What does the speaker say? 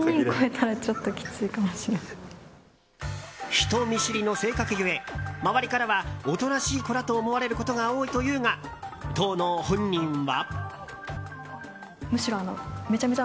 人見知りの性格ゆえ周りからはおとなしい子だと思われることが多いというが当の本人は。